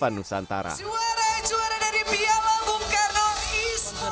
suara juara dari piala bung karno esports